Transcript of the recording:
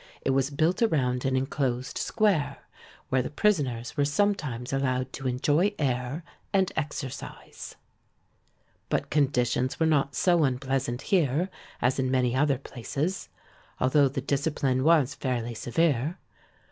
It was built around an enclosed square, where the prisoners were sometimes allowed to enjoy air and exercise. But conditions were not so unpleasant here as in many other places, although the discipline was fairly severe.